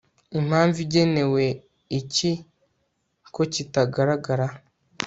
Impamvu igenewe iki ko kitagaragara